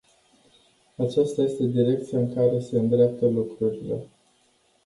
Aceasta este direcția în care se îndreaptă lucrurile.